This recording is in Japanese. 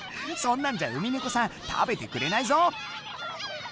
そんなんじゃウミネコさん食べてくれないぞ！